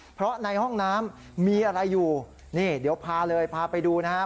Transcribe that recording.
เพราะในห้องน้ำมีอะไรอยู่นี่เดี๋ยวพาเลยพาไปดูนะครับ